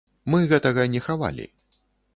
Мы гэтага не хавалі.